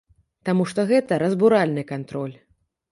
Таму што гэта разбуральны кантроль.